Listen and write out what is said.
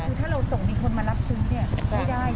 อ๋อคือถ้าเราส่งดีคนมารับซึ้งเนี่ยไม่ได้ใช่ไหม